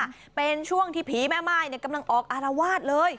ค่ะเป็นช่วงที่ผีแม่ม่ายกำลังออกอารวาสเลย